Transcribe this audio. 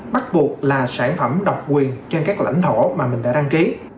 bắt buộc là sản phẩm độc quyền trên các lãnh thổ mà mình đã đăng ký